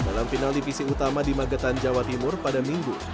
dalam final divisi utama di magetan jawa timur pada minggu